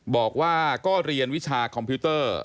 บอกว่าก็เรียนวิชาคอมพิวเตอร์